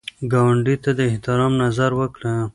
ګاونډي ته د احترام نظر وکړه